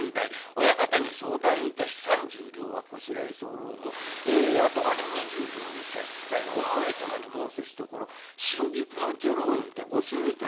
親方に相談いたし３０両はこしらえ候も後金２０両に差し支えおん前さまに申せしところ新宿の女郎にておすみとやらを』。